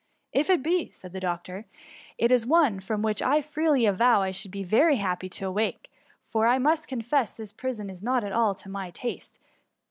^'If it be," said the doctor, " it is one from which I freely avow I should be very happy to S48 THE MUMMY. awake^ for I must confess this prison is not at all to my taste.''